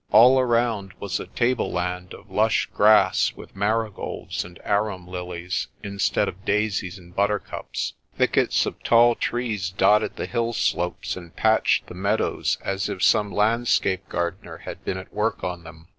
All around was a tableland of lush grass with marigolds and arum lilies instead of daisies and butter cups. Thickets of tall trees dotted the hill slopes and patched the meadows as if some landscape gardener had been at work on them.